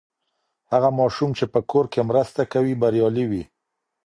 هغه ماشوم چې په کور کې مرسته کوي، بریالی وي.